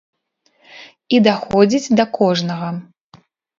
І даходзіць да кожнага.